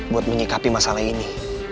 buat menyikapi masalah ini